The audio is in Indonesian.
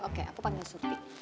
oke aku panggil surti